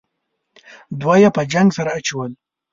دوه یې په جنگ سره اچول.